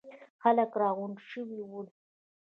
خلک راغونډ شوي ول.